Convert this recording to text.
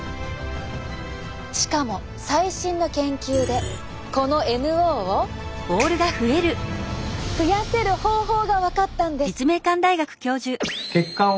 しかも最新の研究でこのＮＯを増やせる方法が分かったんです。